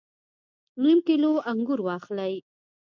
نیم کیلو انګور واخلئ